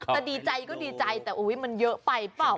ดีใจก็ดีใจแต่อุ๊ยมันเยอะไปเปล่า